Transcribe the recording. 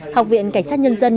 học viện cảnh sát nhân dân